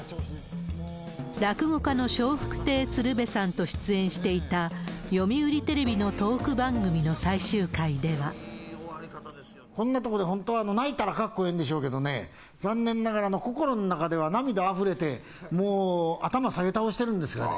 落語家の笑福亭鶴瓶さんと出演していた読売テレビのトーク番組のこんなところで、本当は泣いたらかっこええんでしょうけどね、残念ながら心の中では涙あふれて、もう、頭下げたおしてるんですよね。